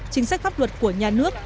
chính sách pháp luật của nhà nước